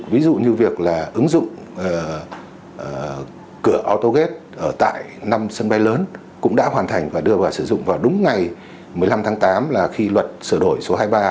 ví dụ như việc là ứng dụng cửa auto gate ở tại năm sân bay lớn cũng đã hoàn thành và đưa vào sử dụng vào đúng ngày một mươi năm tháng tám là khi luật sửa đổi số hai mươi ba được có hiệu lực